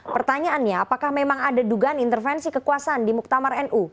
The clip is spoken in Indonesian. pertanyaannya apakah memang ada dugaan intervensi kekuasaan di muktamar nu